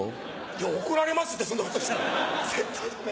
いや怒られますってそんなことしたら絶対ダメ。